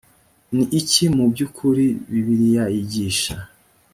ni iki mu by ukuri bibiliya yigisha